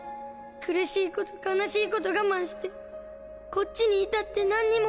苦しいこと悲しいこと我慢してこっちにいたってなんにも。